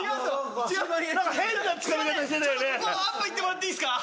ここアップ行ってもらっていいっすか？